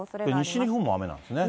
西日本も雨なんですね。